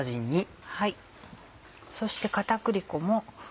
そして片栗粉も。